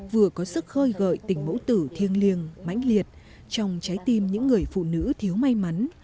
vừa có sức khơi gợi tình mẫu tử thiêng liêng mãnh liệt trong trái tim những người phụ nữ thiếu may mắn